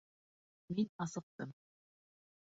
Мин асыҡтым.